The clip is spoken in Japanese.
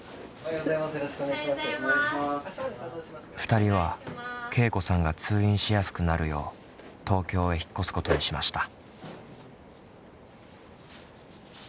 ２人はけいこさんが通院しやすくなるよう東京へ引っ越すことにしました。